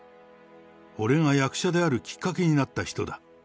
俺が役者であるきっかけになった人だ。